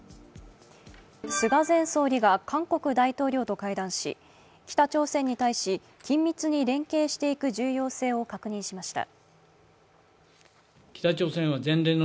菅前総理が韓国大統領と会談し北朝鮮に対し、緊密に連携していく重要性を確認しました。